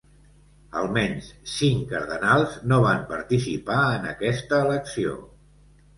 Almenys cinc cardenals no van participar en aquesta elecció.